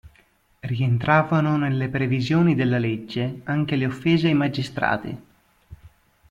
Rientravano nelle previsioni della legge anche le offese ai magistrati.